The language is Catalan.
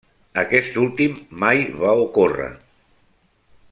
Aquest últim mai va ocórrer.